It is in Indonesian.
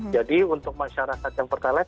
jadi untuk masyarakat yang pertalet silakan